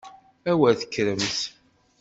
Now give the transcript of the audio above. A wer tekkremt!